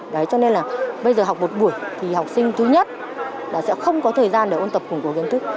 đấy cho nên là bây giờ học một buổi thì học sinh thứ nhất là sẽ không có thời gian để ôn tập củng cố kiến thức